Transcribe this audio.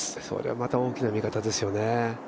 それはまた大きな味方ですよね。